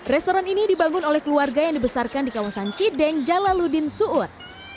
restoran ini dibangun oleh keluarga yang dibesarkan di kawasan cideng jalaludin suud